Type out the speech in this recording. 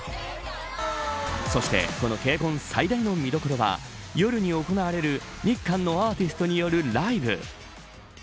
そしてこのＫＣＯＮ最大の見どころは夜に行われる、日韓のアーティストによるライブ。